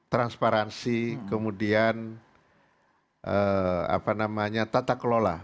transparansi kemudian apa namanya tata kelola